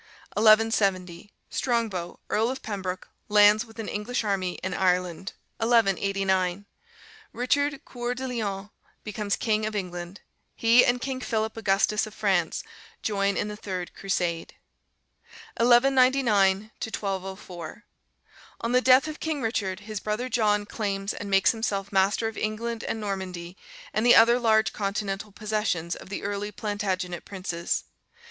1170. Strongbow, earl of Pembroke, lands with an English army in Ireland. 1189. Richard Coeur de Lion becomes King of England. He and King Philip Augustus of France join in the third Crusade. 1199 1204. On the death of King Richard, his brother John claims and makes himself master of England and Normandy and the other large continental possessions of the early Plantagenet princes.